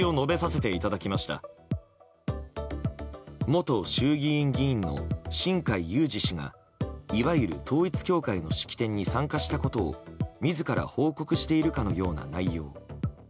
元衆議院議員の新開裕司氏がいわゆる統一教会の式典に参加したことを自ら報告しているかのような内容。